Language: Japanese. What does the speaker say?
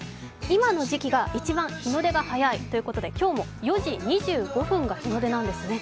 今の時期が一番、日の出が早いということで今日も４時２５分が日の出なんですね